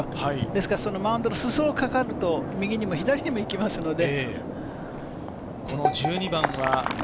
ですから、マウンドの裾にかかると右にも左にも行きますので。